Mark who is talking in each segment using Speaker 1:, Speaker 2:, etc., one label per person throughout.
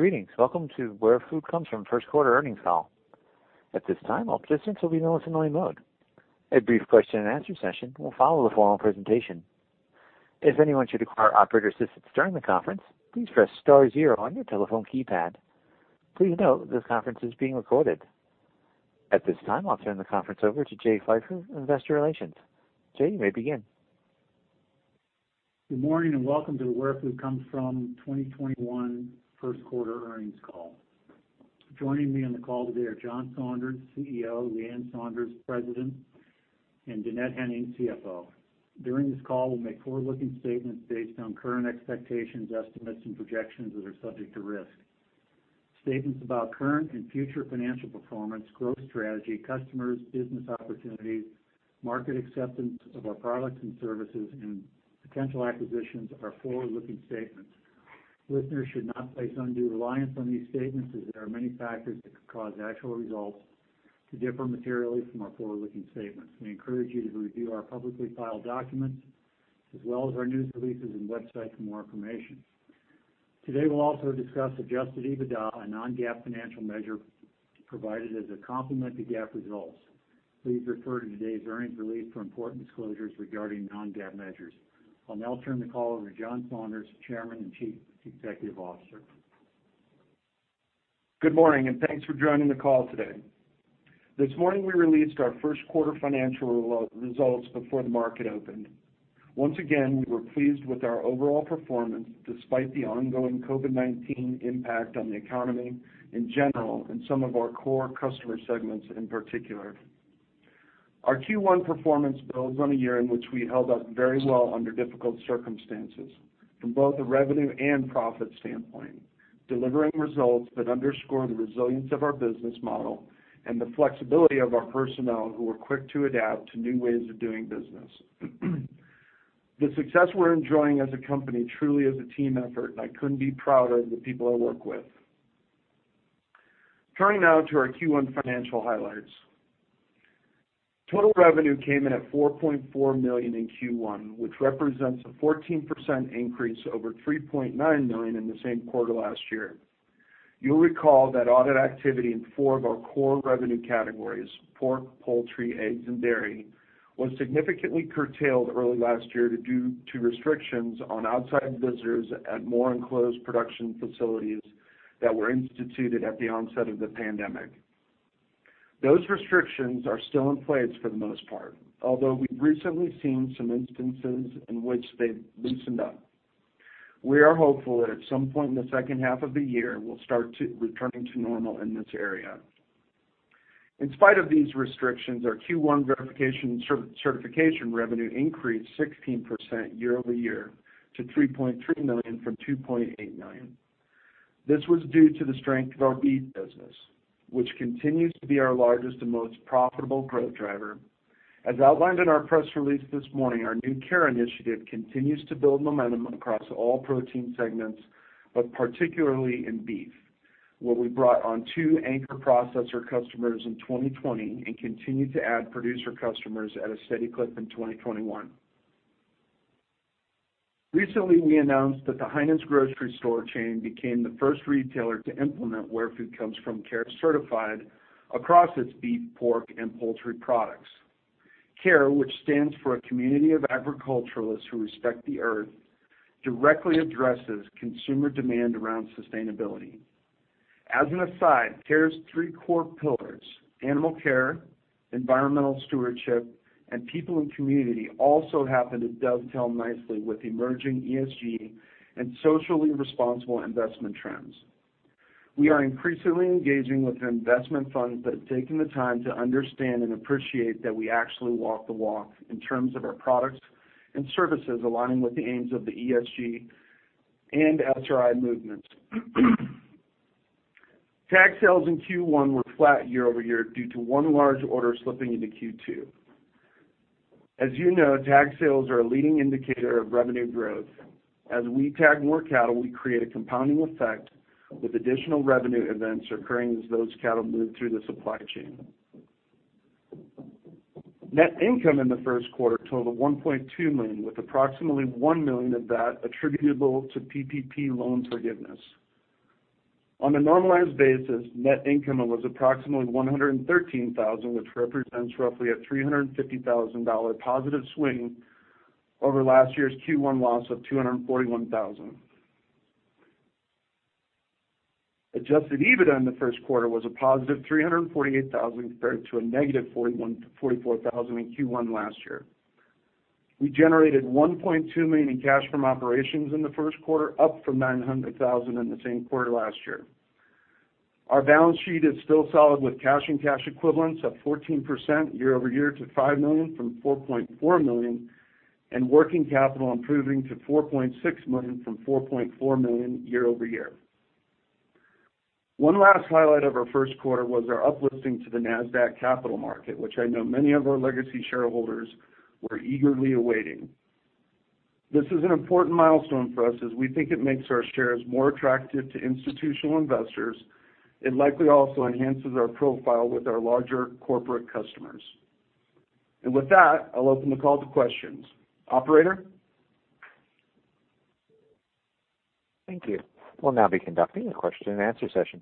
Speaker 1: Greetings. Welcome to Where Food Comes From First Quarter Earnings Call. At this time, I'll turn the conference over to Jay Pfeiffer, Investor Relations. Jay, you may begin.
Speaker 2: Good morning, and welcome to Where Food Comes From 2021 First Quarter Earnings call. Joining me on the call today are John Saunders, CEO, Leann Saunders, President, and Dannette Henning, CFO. During this call, we'll make forward-looking statements based on current expectations, estimates, and projections that are subject to risk. Statements about current and future financial performance, growth strategy, customers, business opportunities, market acceptance of our products and services, and potential acquisitions are forward-looking statements. Listeners should not place undue reliance on these statements, as there are many factors that could cause actual results to differ materially from our forward-looking statements. We encourage you to review our publicly filed documents, as well as our news releases and website for more information. Today, we'll also discuss adjusted EBITDA, a non-GAAP financial measure provided as a complement to GAAP results. Please refer to today's earnings release for important disclosures regarding non-GAAP measures. I'll now turn the call over to John Saunders, Chairman and Chief Executive Officer.
Speaker 3: Good morning, and thanks for joining the call today. This morning, we released our First Quarter Financial Results before the market opened. Once again, we were pleased with our overall performance, despite the ongoing COVID-19 impact on the economy in general and some of our core customer segments in particular. Our Q1 performance builds on a year in which we held up very well under difficult circumstances from both a revenue and profit standpoint, delivering results that underscore the resilience of our business model and the flexibility of our personnel, who were quick to adapt to new ways of doing business. The success we're enjoying as a company truly is a team effort, and I couldn't be prouder of the people I work with. Turning now to our Q1 financial highlights. Total revenue came in at $4.4 million in Q1, which represents a 14% increase over $3.9 million in the same quarter last year. You'll recall that audit activity in four of our core revenue categories, pork, poultry, eggs, and dairy, was significantly curtailed early last year due to restrictions on outside visitors at more enclosed production facilities that were instituted at the onset of the pandemic. Those restrictions are still in place for the most part, although we've recently seen some instances in which they've loosened up. We are hopeful that at some point in the second half of the year, we'll start to returning to normal in this area. In spite of these restrictions, our Q1 verification and certification revenue increased 16% year-over-year to $3.3 million from $2.8 million. This was due to the strength of our beef business, which continues to be our largest and most profitable growth driver. As outlined in our press release this morning, our new CARE initiative continues to build momentum across all protein segments. Particularly in beef, where we brought on two anchor processor customers in 2020 and continue to add producer customers at a steady clip in 2021. Recently, we announced that the Heinen's grocery store chain became the first retailer to implement Where Food Comes From CARE Certified across its beef, pork, and poultry products. CARE, which stands for A Community of Agriculturalists Who Respect the Earth, directly addresses consumer demand around sustainability. As an aside, CARE's three core pillars, animal care, environmental stewardship, and people and community, also happen to dovetail nicely with emerging ESG and socially responsible investment trends. We are increasingly engaging with investment funds that have taken the time to understand and appreciate that we actually walk the walk in terms of our products and services aligning with the aims of the ESG and SRI movements. Tag sales in Q1 were flat year-over-year due to one large order slipping into Q2. As you know, tag sales are a leading indicator of revenue growth. As we tag more cattle, we create a compounding effect, with additional revenue events occurring as those cattle move through the supply chain. Net income in the first quarter totaled $1.2 million, with approximately $1 million of that attributable to PPP loan forgiveness. On a normalized basis, net income was approximately $113,000, which represents roughly a $350,000 positive swing over last year's Q1 loss of $241,000. Adjusted EBITDA in the first quarter was a positive $348,000 compared to a negative $44,000 in Q1 last year. We generated $1.2 million in cash from operations in the first quarter, up from $900,000 in the same quarter last year. Our balance sheet is still solid, with cash and cash equivalents up 14% year-over-year to $5 million from $4.4 million, and working capital improving to $4.6 million from $4.4 million year-over-year. One last highlight of our first quarter was our uplisting to the Nasdaq Capital Market, which I know many of our legacy shareholders were eagerly awaiting. This is an important milestone for us as we think it makes our shares more attractive to institutional investors. It likely also enhances our profile with our larger corporate customers. With that, I'll open the call to questions. Operator?
Speaker 1: Thank you. We'll now be conducting a question and answer session.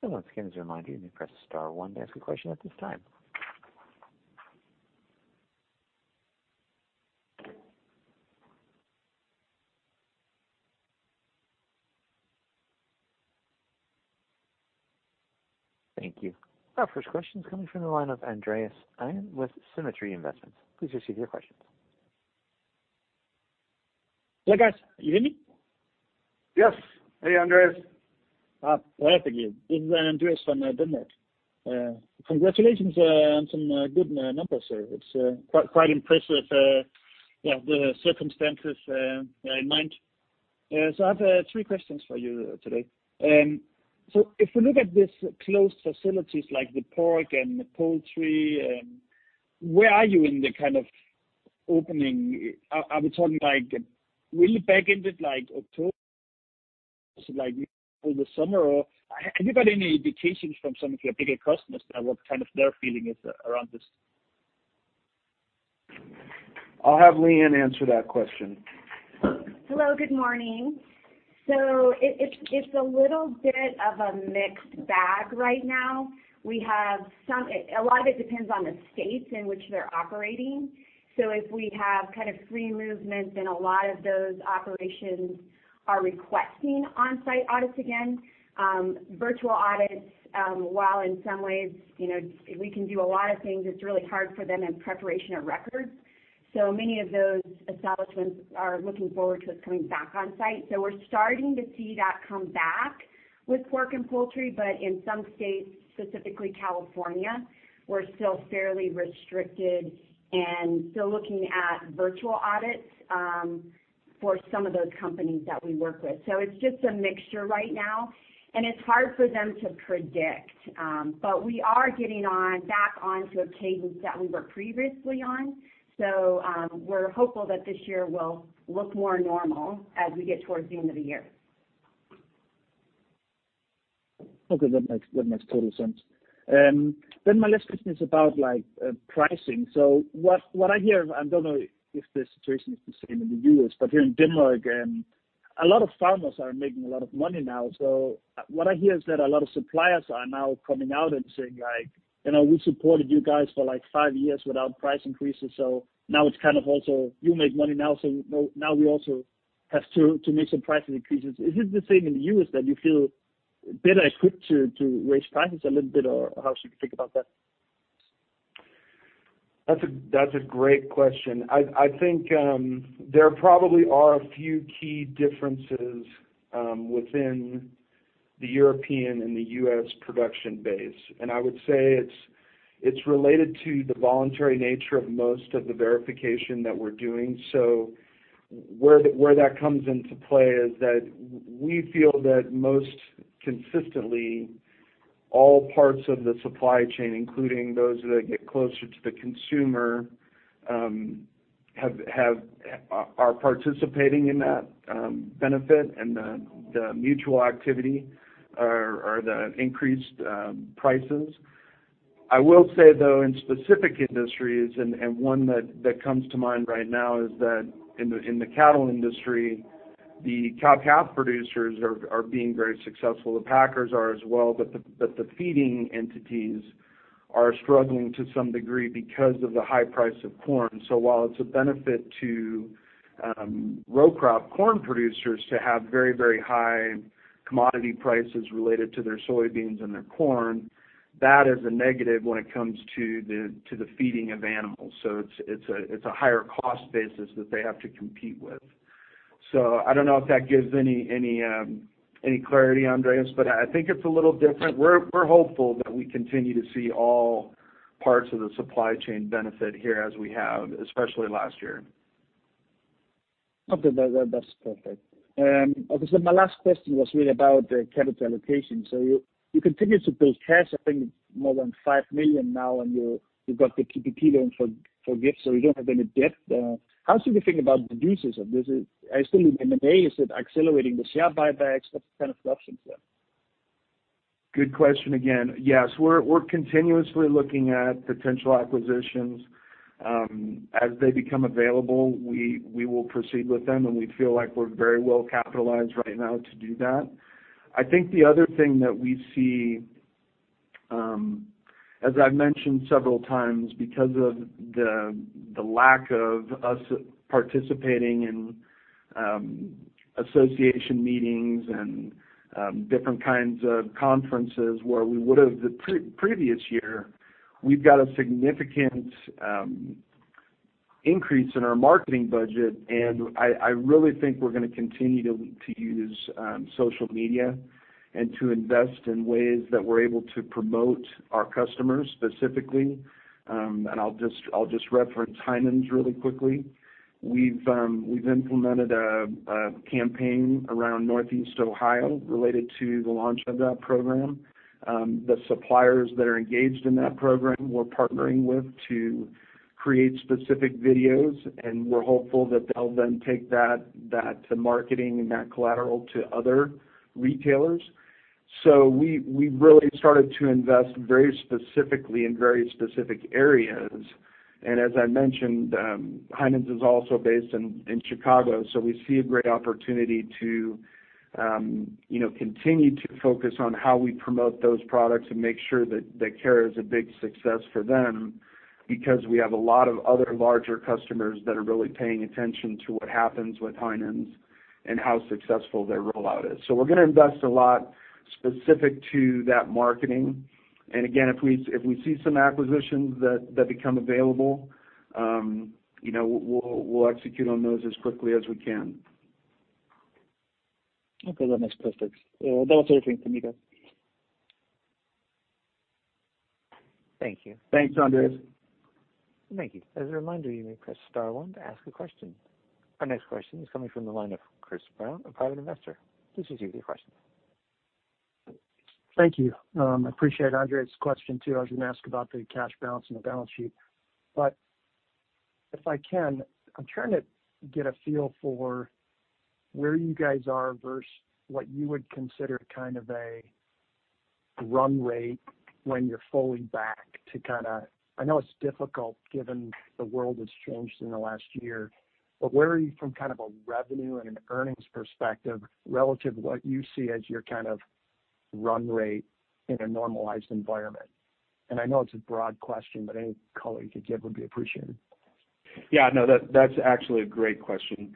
Speaker 1: Thank you. Our first question is coming from the line of Andreas Aaen with Symmetry Invest. Please proceed with your questions.
Speaker 4: Yeah, guys. Can you hear me?
Speaker 3: Yes. Hey, Andreas.
Speaker 4: Hi. Thank you. This is Andreas from Denmark. Congratulations on some good numbers there. It's quite impressive with the circumstances in mind. I have three questions for you today. If we look at these closed facilities like the pork and the poultry, where are you in the kind of opening? Are we talking like, will it be back end of October? Like over the summer, or have you got any indications from some of your bigger customers about what kind of their feeling is around this?
Speaker 3: I'll have Leann answer that question.
Speaker 5: Hello. Good morning. It's a little bit of a mixed bag right now. A lot of it depends on the states in which they're operating. If we have kind of free movement, then a lot of those operations are requesting on-site audits again. Virtual audits, while in some ways we can do a lot of things, it's really hard for them in preparation of records. Many of those establishments are looking forward to us coming back on site. We're starting to see that come back with pork and poultry. In some states, specifically California, we're still fairly restricted and still looking at virtual audits for some of those companies that we work with. It's just a mixture right now, and it's hard for them to predict. We are getting back onto a cadence that we were previously on. We're hopeful that this year will look more normal as we get towards the end of the year.
Speaker 4: Okay. That makes total sense. My last question is about pricing. What I hear, I don't know if the situation is the same in the U.S., but here in Denmark, a lot of farmers are making a lot of money now. What I hear is that a lot of suppliers are now coming out and saying like, we supported you guys for five years without price increases, so now you make money now, so now we also have to make some pricing increases. Is it the same in the U.S. that you feel better equipped to raise prices a little bit, or how should we think about that?
Speaker 3: That's a great question. I think there probably are a few key differences within the European and the U.S. production base. I would say it's related to the voluntary nature of most of the verification that we're doing. Where that comes into play is that we feel that most consistently, all parts of the supply chain, including those that get closer to the consumer, are participating in that benefit and the mutual activity or the increased prices. I will say, though, in specific industries, and one that comes to mind right now is that in the cattle industry, the cow-calf producers are being very successful. The packers are as well. The feeding entities are struggling to some degree because of the high price of corn. While it's a benefit to row crop corn producers to have very, very high commodity prices related to their soybeans and their corn, that is a negative when it comes to the feeding of animals. It's a higher cost basis that they have to compete with. I don't know if that gives any clarity, Andreas, but I think it's a little different. We're hopeful that we continue to see all parts of the supply chain benefit here as we have, especially last year.
Speaker 4: Okay. That's perfect. Obviously, my last question was really about the capital allocation. You continue to build cash, I think it's more than $5 million now, and you've got the PPP loan forgives, so you don't have any debt. How should we think about the uses of this? I assume in a way, is it accelerating the share buybacks? What's the kind of options there?
Speaker 3: Good question again. Yes. We're continuously looking at potential acquisitions. As they become available, we will proceed with them, and we feel like we're very well capitalized right now to do that. I think the other thing that we see, as I've mentioned several times, because of the lack of us participating in association meetings and different kinds of conferences where we would have the previous year, we've got a significant increase in our marketing budget, and I really think we're going to continue to use social media and to invest in ways that we're able to promote our customers specifically. I'll just reference Heinen's really quickly. We've implemented a campaign around Northeast Ohio related to the launch of that program. The suppliers that are engaged in that program, we're partnering with to create specific videos. We're hopeful that they'll then take that to marketing and that collateral to other retailers. We really started to invest very specifically in very specific areas. As I mentioned, Heinen's is also based in Chicago, so we see a great opportunity to continue to focus on how we promote those products and make sure that CARE is a big success for them, because we have a lot of other larger customers that are really paying attention to what happens with Heinen's and how successful their rollout is. We're going to invest a lot specific to that marketing. Again, if we see some acquisitions that become available, we'll execute on those as quickly as we can.
Speaker 4: Okay. That was everything for me, guys.
Speaker 1: Thank you.
Speaker 3: Thanks, Andreas.
Speaker 1: Thank you. As a reminder, you may press star one to ask a question. Our next question is coming from the line of Chris Brown, a private investor. Please proceed with your question.
Speaker 6: Thank you. I appreciate Andreas' question, too. I was going to ask about the cash balance and the balance sheet. If I can, I'm trying to get a feel for where you guys are versus what you would consider kind of a run rate when you're fully back to. I know it's difficult given the world has changed in the last year, but where are you from kind of a revenue and an earnings perspective relative to what you see as your kind of run rate in a normalized environment? I know it's a broad question, but any color you could give would be appreciated.
Speaker 3: Yeah, no, that's actually a great question.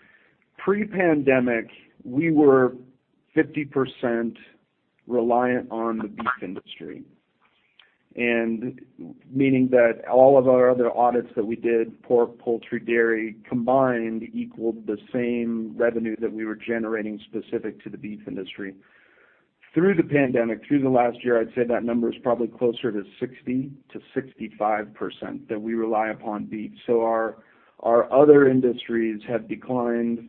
Speaker 3: Pre-pandemic, we were 50% reliant on the beef industry. Meaning that all of our other audits that we did, pork, poultry, dairy combined equaled the same revenue that we were generating specific to the beef industry. Through the pandemic, through the last year, I'd say that number is probably closer to 60%-65% that we rely upon beef. Our other industries have declined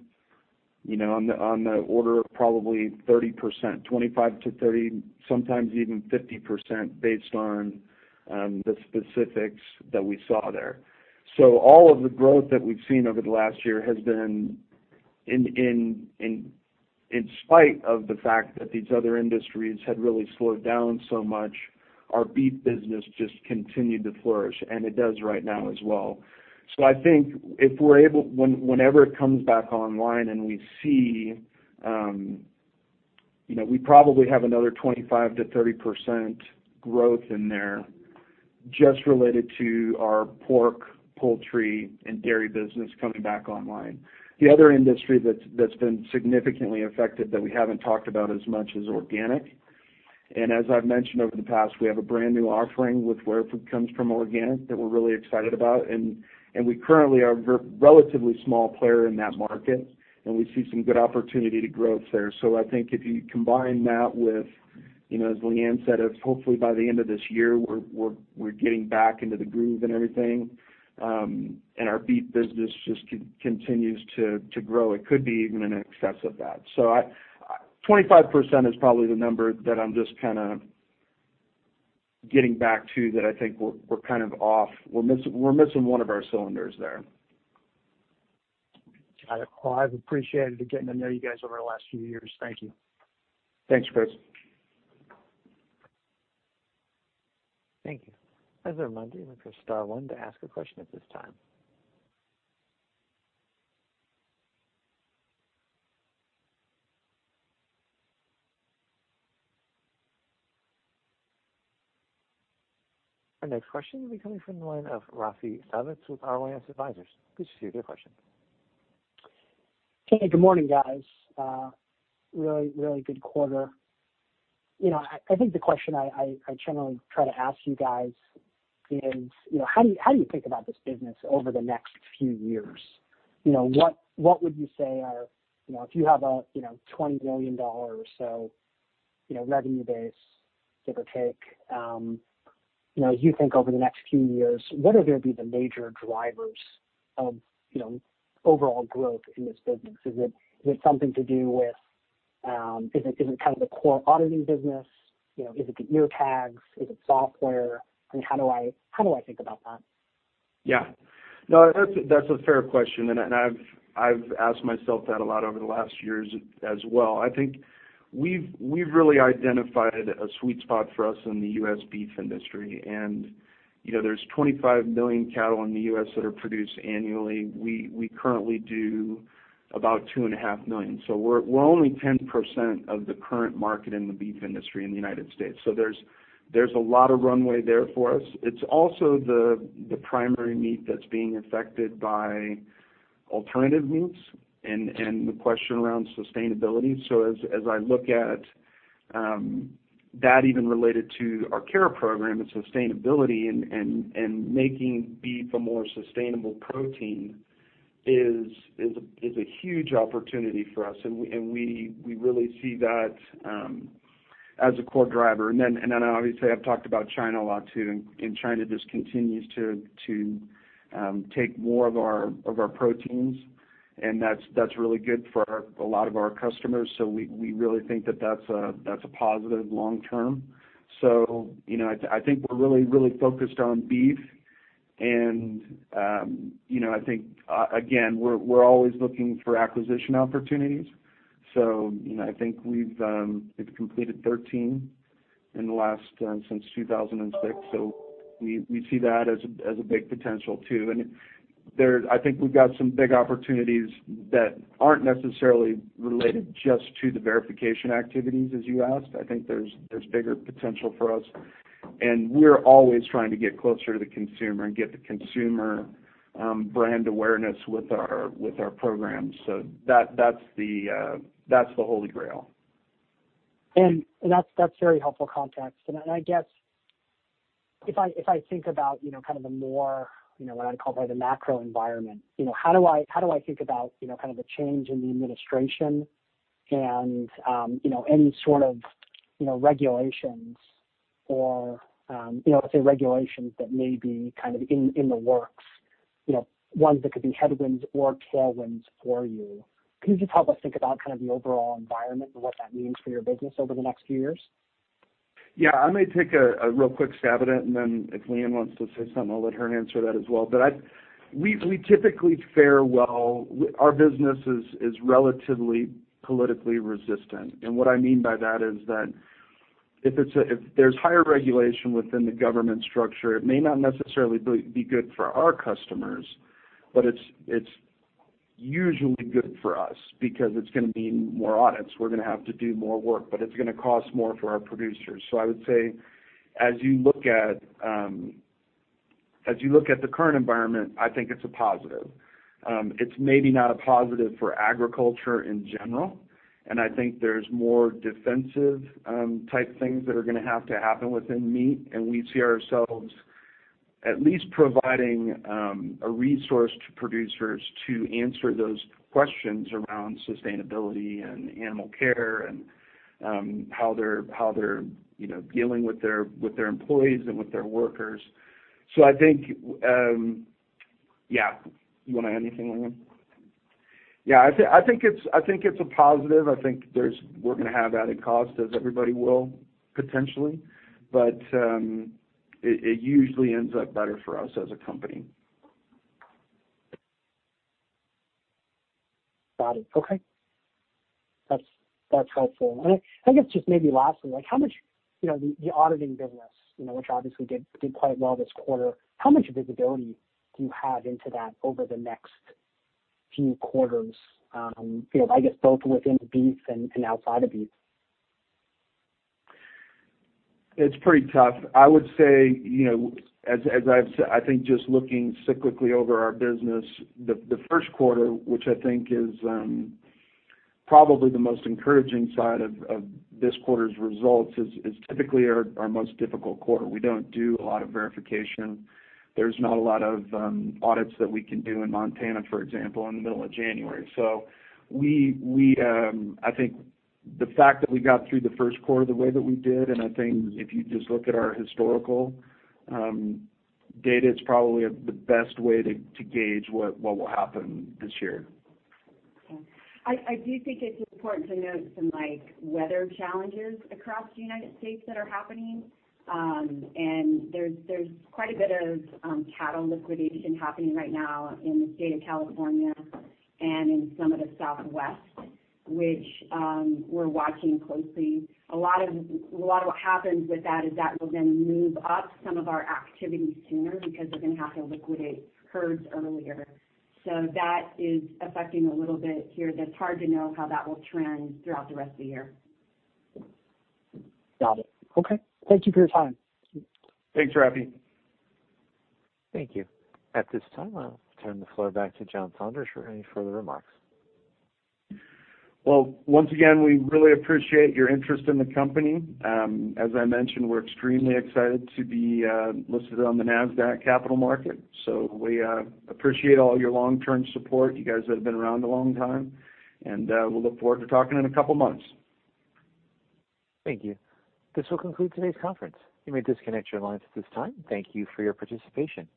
Speaker 3: on the order of probably 30%, 25%-30%, sometimes even 50% based on the specifics that we saw there. All of the growth that we've seen over the last year has been in spite of the fact that these other industries had really slowed down so much, our beef business just continued to flourish, and it does right now as well. I think whenever it comes back online and we see, we probably have another 25%-30% growth in there just related to our pork, poultry, and dairy business coming back online. The other industry that's been significantly affected that we haven't talked about as much is organic. As I've mentioned over the past, we have a brand-new offering with Where Food Comes From Organic that we're really excited about. We currently are a relatively small player in that market, and we see some good opportunity to grow there. I think if you combine that with, as Leann said, of hopefully by the end of this year, we're getting back into the groove and everything, and our beef business just continues to grow. It could be even in excess of that. So, 25% is probably the number that I'm just kind of getting back to that I think we're kind of off. We're missing one of our cylinders there.
Speaker 6: Got it. Well, I've appreciated getting to know you guys over the last few years. Thank you.
Speaker 3: Thanks, Chris.
Speaker 1: Thank you. As a reminder, you may press star one to ask a question at this time. Our next question will be coming from the line of Raphi Savitz with RYS Advisors. Please proceed with your question.
Speaker 7: Hey, good morning, guys. Really good quarter. I think the question I generally try to ask you guys is, how do you think about this business over the next few years? If you have a $20 million or so revenue base, give or take, you think over the next few years, what are going to be the major drivers of overall growth in this business? Is it kind of the core auditing business? Is it the ear tags? Is it software? How do I think about that?
Speaker 3: Yeah. No, that's a fair question. I've asked myself that a lot over the last years as well. I think we've really identified a sweet spot for us in the U.S. beef industry. There's 25 million cattle in the U.S. that are produced annually. We currently do about 2.5 million. We're only 10% of the current market in the beef industry in the United States. There's a lot of runway there for us. It's also the primary meat that's being affected by alternative meats and the question around sustainability. As I look at that even related to our CARE program and sustainability and making beef a more sustainable protein is a huge opportunity for us, and we really see that as a core driver. Then obviously, I've talked about China a lot too, and China just continues to take more of our proteins, and that's really good for a lot of our customers. We really think that that's a positive long-term. I think we're really focused on beef and I think, again, we're always looking for acquisition opportunities. I think we've completed 13 since 2006. I think we've got some big opportunities that aren't necessarily related just to the verification activities, as you asked. That's the holy grail.
Speaker 7: That's very helpful context. I guess, if I think about kind of a more, what I'd call the macro environment, how do I think about the change in the administration and any sort of regulations or, say, regulations that may be in the works, ones that could be headwinds or tailwinds for you? Can you just help us think about kind of the overall environment and what that means for your business over the next few years?
Speaker 3: Yeah. I may take a real quick stab at it, and then if Leann wants to say something, I'll let her answer that as well. We typically fare well. Our business is relatively politically resistant. What I mean by that is that if there's higher regulation within the government structure, it may not necessarily be good for our customers, but it's usually good for us because it's going to mean more audits. We're going to have to do more work. It's going to cost more for our producers. I would say, as you look at the current environment, I think it's a positive. It's maybe not a positive for agriculture in general, and I think there's more defensive type things that are going to have to happen within meat, and we see ourselves at least providing a resource to producers to answer those questions around sustainability and animal care and how they're dealing with their employees and with their workers. I think, yeah. You want to add anything, Leann? Yeah, I think it's a positive. I think we're going to have added cost, as everybody will potentially, but it usually ends up better for us as a company.
Speaker 7: Got it. Okay. That's helpful. I guess just maybe lastly, the auditing business, which obviously did quite well this quarter, how much visibility do you have into that over the next few quarters? I guess both within beef and outside of beef.
Speaker 3: It's pretty tough. I would say, I think just looking cyclically over our business, the first quarter, which I think is probably the most encouraging side of this quarter's results, is typically our most difficult quarter. We don't do a lot of verification. There's not a lot of audits that we can do in Montana, for example, in the middle of January. I think the fact that we got through the first quarter the way that we did, and I think if you just look at our historical data, it's probably the best way to gauge what will happen this year.
Speaker 5: Okay. I do think it's important to note some weather challenges across the U.S. that are happening. There's quite a bit of cattle liquidation happening right now in the state of California and in some of the Southwest, which we're watching closely. A lot of what happens with that is that will then move up some of our activities sooner because they're going to have to liquidate herds earlier. That is affecting a little bit here, but it's hard to know how that will trend throughout the rest of the year.
Speaker 7: Got it. Okay. Thank you for your time.
Speaker 3: Thanks, Raphi.
Speaker 1: Thank you. At this time, I'll turn the floor back to John Saunders for any further remarks.
Speaker 3: Well, once again, we really appreciate your interest in the company. As I mentioned, we're extremely excited to be listed on the Nasdaq Capital Market. We appreciate all your long-term support, you guys that have been around a long time, and we'll look forward to talking in a couple of months.
Speaker 1: Thank you. This will conclude today's conference. You may disconnect your lines at this time. Thank you for your participation.